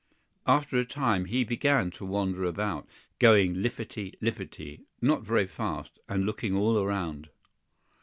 After a time he began to wander about, going lippity lippity not very fast, and looking all around.